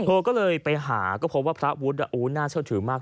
เธอก็เลยไปหาก็พบว่าพระวุฒิน่าเชื่อถือมาก